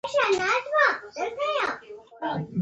دوی به تر هغه وخته پورې لوړې نمرې اخلي.